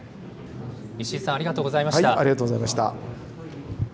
石井さん、ありがとうございました。